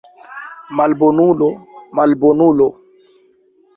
Malbonulo, malbonulo!